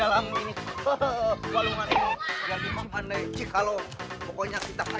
pakai bisik bisik segala